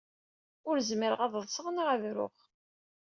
Ur zmireɣ ad ḍseɣ neɣ ad ruɣ.